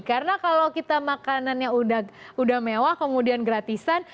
karena kalau kita makanannya sudah mewah kemudian gratisan